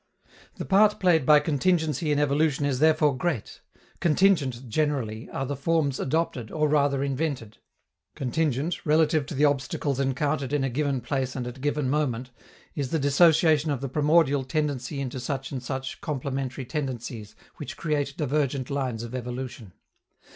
The part played by contingency in evolution is therefore great. Contingent, generally, are the forms adopted, or rather invented. Contingent, relative to the obstacles encountered in a given place and at a given moment, is the dissociation of the primordial tendency into such and such complementary tendencies which create divergent lines of evolution.